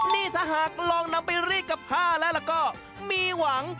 นี่ถ้าหากลองนำไปรีดกับผ้าแล้วก็มีหวัง